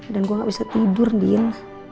dan gue gak bisa tidur din